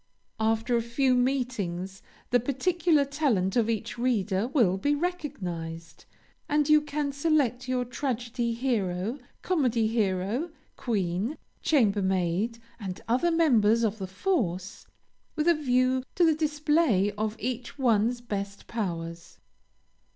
After a few meetings, the peculiar talent of each reader will be recognized, and you can select your tragedy hero, comedy hero, queen, chambermaid, and other members of the force, with a view to the display of each one's best powers.